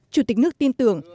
chủ tịch nước tin tưởng